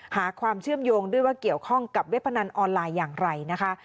หาความเชื่อมโยงด้วยว่าเกี่ยวข้องกับเว็บพนันออนไลน์อย่างไรนะคะ